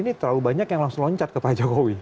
ini terlalu banyak yang langsung loncat ke pak jokowi